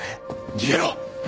逃げろ。